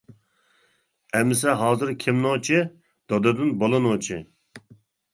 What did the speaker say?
ئەمسە ھازىر كىم نوچى؟ دادىدىن بالا نوچى.